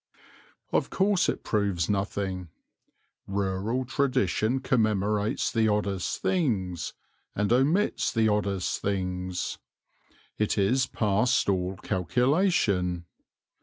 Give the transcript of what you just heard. Of course it proves nothing. Rural tradition commemorates the oddest things and omits the oddest things. It is past all calculation.